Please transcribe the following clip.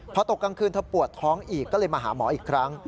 พอตกกลางคืนเธอปวดท้องอีกก็เลยมาหาหมออีกครั้ง